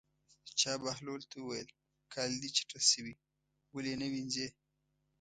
چا بهلول ته وویل: کالي دې چټل شوي دي ولې یې نه وینځې.